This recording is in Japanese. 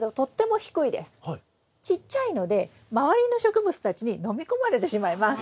ちっちゃいので周りの植物たちにのみ込まれてしまいます。